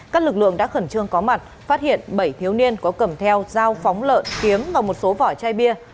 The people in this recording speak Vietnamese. các lực lượng đã khẩn trương có mặt phát hiện bảy thiếu niên có cầm theo dao phóng lợn kiếm và một số vỏ chai bia